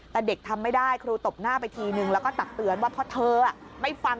แต่เด็กทำไม่ได้ครูตบหน้าไปทีนึงแล้วก็ตักเตือนว่าเพราะเธอไม่ฟัง